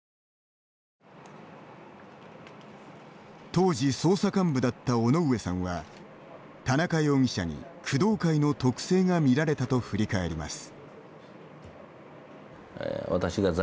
当時捜査幹部だった尾上さんは田中容疑者に工藤会の特性がみられたと振り返ります。